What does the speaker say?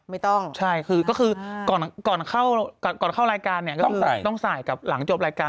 ไม่ใช่คือก็คือก่อนเข้ารายการเนี่ยก็ต้องสายกับหลังจบรายการ